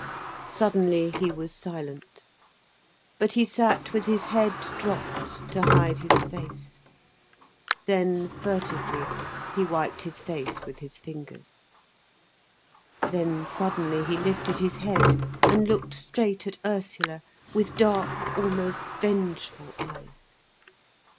Suddenly he was silent. But he sat with his head dropped, to hide his face. Then furtively he wiped his face with his fingers. Then suddenly he lifted his head, and looked straight at Ursula, with dark, almost vengeful eyes.